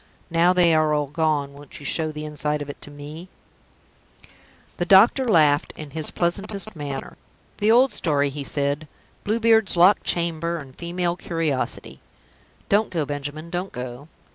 Now they are all gone, won't you show the inside of it to me?" The doctor laughed in his pleasantest manner. "The old story," he said. "Blue Beard's locked chamber, and female curiosity! (Don't go, Benjamin, don't go.)